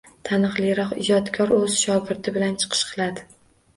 Taniqliroq ijodkor oʻz shogirdi bilan chiqish qiladi.